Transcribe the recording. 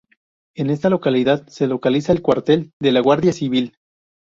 En esta localidad se localiza el cuartel de la Guardia Civil.